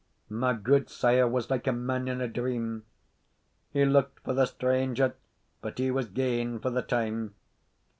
My gudesire was like a man in a dream he looked for the stranger, but he was gane for the time.